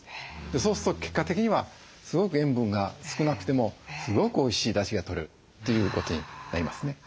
そうすると結果的にはすごく塩分が少なくてもすごくおいしいだしがとれるということになりますね。